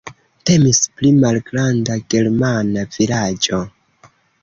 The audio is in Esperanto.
Temis pri malgranda germana vilaĝo.